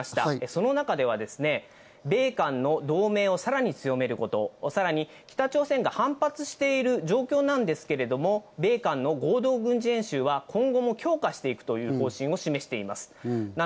その中で米韓の同盟をさらに強めること、さらに北朝鮮が反発している状況なんですけれども、米韓の合同軍事演習は今後も強化していくという方針を示しています。